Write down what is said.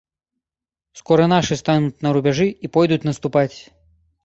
Скора нашы стануць на рубяжы і пойдуць наступаць.